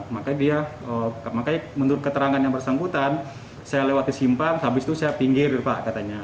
makanya dia makanya menurut keterangan yang bersangkutan saya lewati simpang habis itu saya pinggir pak katanya